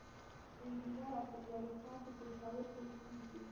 انجينير عبدالولي خان پۀ پېښور کښې اوسيږي،